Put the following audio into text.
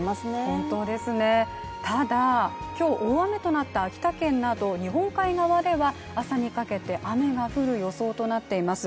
本当ですね、ただ今日大雨となった秋田県など日本海側では朝にかけて、雨が降る予想となっています。